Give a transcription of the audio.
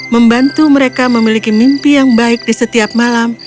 membantu mereka memiliki mimpi yang baik di setiap malam